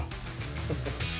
フフフ。